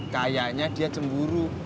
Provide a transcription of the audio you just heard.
kayaknya dia cemburu